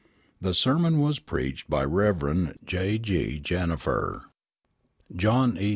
The sermon was preached by Rev. J. G. Jenifer. John E.